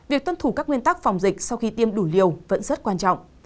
việc tuân thủ các nguyên tắc phòng dịch sau khi tiêm đủ liều vẫn rất quan trọng